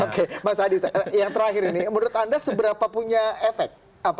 oke mas adi yang terakhir ini menurut anda seberapa punya efek